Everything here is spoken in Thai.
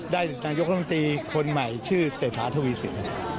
ได้นายกล้องตีคนใหม่ชื่อเศรษฐาทวีสิน